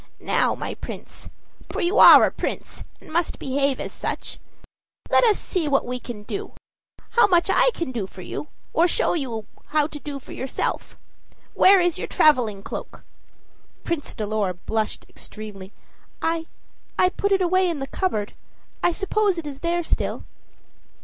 "Now, my Prince, for you are a prince, and must behave as such, let us see what we can do; how much I can do for you, or show you how to do for yourself. Where is your traveling cloak?" Prince Dolor blushed extremely. "I I put it away in the cupboard; I suppose it is there still."